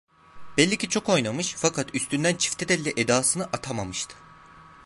Belli ki çok oynamış, fakat üstünden çiftetelli edasını atamamıştı.